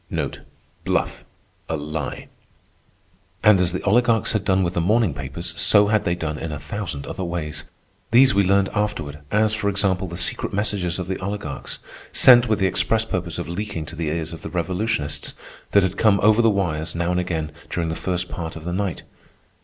A lie. And as the oligarchs had done with the morning papers, so had they done in a thousand other ways. These we learned afterward, as, for example, the secret messages of the oligarchs, sent with the express purpose of leaking to the ears of the revolutionists, that had come over the wires, now and again, during the first part of the night.